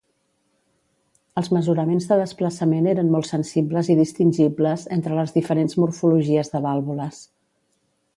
Els mesuraments de desplaçament eren molt sensibles i distingibles entre les diferents morfologies de vàlvules.